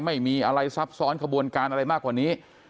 ไม่มีอะไรซับซ้อนขบวนการอะไรมากกว่านี้